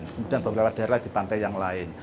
kemudian beberapa daerah di pantai yang lain